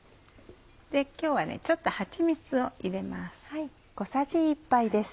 今日はちょっとはちみつを入れます。